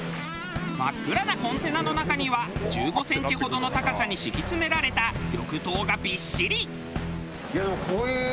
真っ暗なコンテナの中には１５センチほどの高さに敷き詰められた緑豆がビッシリ！